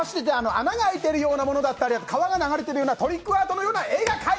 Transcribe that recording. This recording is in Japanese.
穴が開いているようなものだったり川が流れてるようなトリックアート。